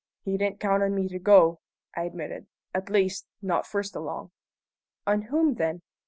"He didn't count on me to go," I admitted; "at least, not first along." "On whom, then?"